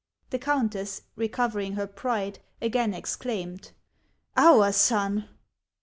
The countess, recovering her pride, again exclaimed : "Our son!"